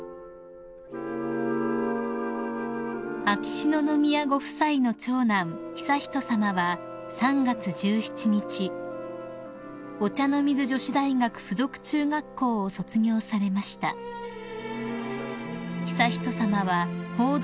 ［秋篠宮ご夫妻の長男悠仁さまは３月１７日お茶の水女子大学附属中学校を卒業されました］